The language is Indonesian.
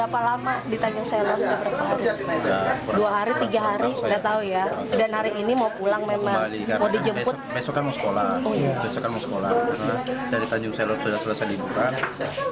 pada saat itu pemerintah mencari pemerintah yang sudah selesai diperlukan